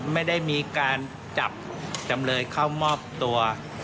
ไม่ได้มีการจับจำเลยเข้ามอบตัว